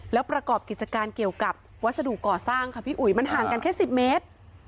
แล้วประกอบกิจการเกี่ยวกับวัสดุก่อสร้างค่ะพี่อุ๋ยมันห่างกันแค่๑๐เมตร